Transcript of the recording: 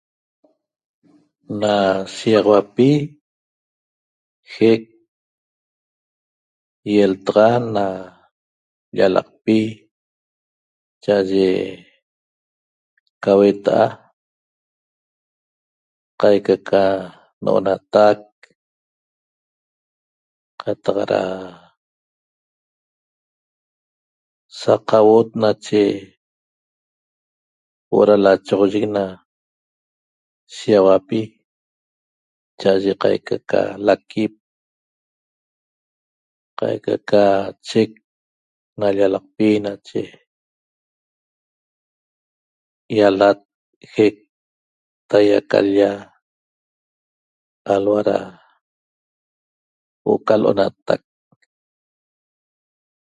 Na shigaxauapi jec ieltaxan na ialaqpi cha'aye ca hueta'a qaica ca no'onatac qataq ra saq auot nache huo'o ra lachoxoyec na shigaxauapi cha'aye qaica ca laquip qaica ca chec na llalaqpi nache ialat jec taia ca l-lla alhua ra huo'o ca lo'onatac